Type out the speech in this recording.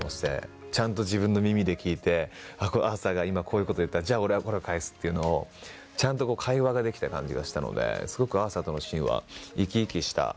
ちゃんと自分の耳で聞いてアーサーが今こういうことを言ったじゃあ俺はこれを返すっていうのをちゃんと会話ができた感じがしたのですごくアーサーとのシーンは。